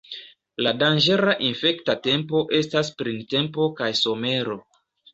La danĝera infekta tempo estas printempo kaj somero.